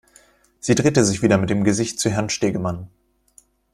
Sie drehte sich wieder mit dem Gesicht zu Herrn Stegemann.